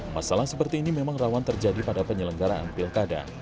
masalah seperti ini memang rawan terjadi pada penyelenggaraan pilkada